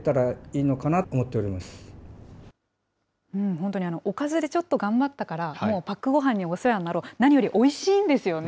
本当に、おかずでちょっと頑張ったから、もうパックごはんにお世話になろう、何よりおいしいんですよね、